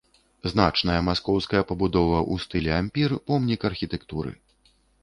Значная маскоўская пабудова ў стылі ампір, помнік архітэктуры.